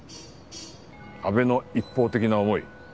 阿部の一方的な思い